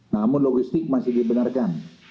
namun logistik masih dibenarkan